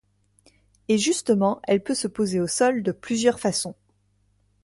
Et justement, elle peut se poser au sol de plusieurs façons.